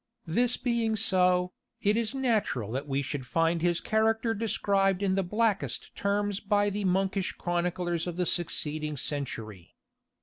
This being so, it is natural that we should find his character described in the blackest terms by the monkish chroniclers of the succeeding century.